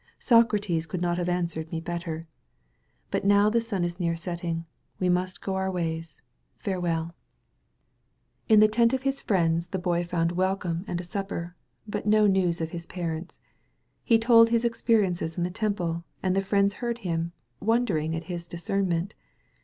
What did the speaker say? Socrates could not have answered me better. But now the sun is near setting. We must go our ways. Farewell." 801 THE VALLEY OF VISION In the tent of his friends the Boy found welcome and a supper, but no news of his parents. He told his experiences in the Temple, and the friends heard him, wondering at his discernment.